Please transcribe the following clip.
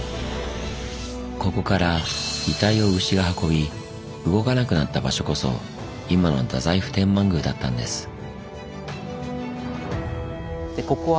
ここから遺体を牛が運び動かなくなった場所こそ今の太宰府天満宮だったんです。